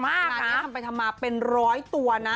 งานนี้ทำไปทำมาเป็นร้อยตัวนะ